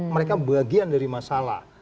mereka bagian dari masalah